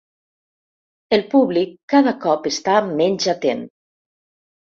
El públic cada cop està menys atent.